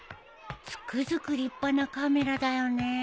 つくづく立派なカメラだよね。